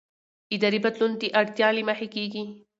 اداري بدلون د اړتیا له مخې کېږي